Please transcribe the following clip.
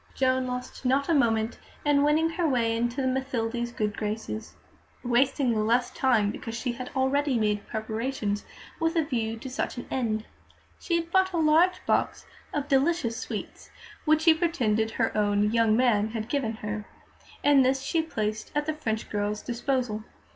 Joan lost not a moment in winning her way into Mathilde's good graces, wasting the less time because she had already made preparations with a view to such an end. She had bought a large box of delicious sweets, which she pretended her own "young man" had given her, and this she placed at the French girl's disposal.